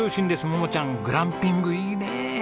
桃ちゃんグランピングいいね！